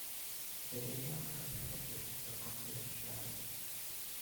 The data are protected for confidentiality.